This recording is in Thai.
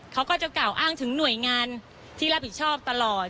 เขาก็จะกล่าวอ้างถึงหน่วยงานที่รับผิดชอบตลอด